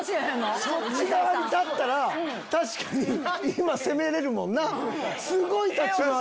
そっち側に立ったら確かに今攻めれるもんなすごい立ち回りだ！